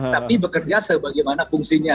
tapi bekerja sebagaimana fungsinya